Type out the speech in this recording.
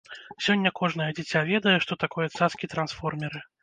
Сёння кожнае дзіця ведае, што такое цацкі-трансформеры.